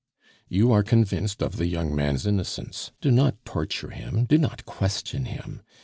"You are convinced of the young man's innocence, do not torture him, do not question him.